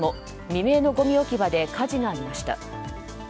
未明のごみ置き場で火事がありました。